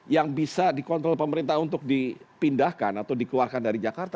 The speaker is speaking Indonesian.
yang bisa dikontrol pemerintah untuk dipindahkan atau dikeluarkan dari jakarta